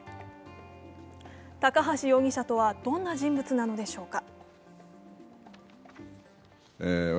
高橋容疑者とはどんな人物なのでしょうか。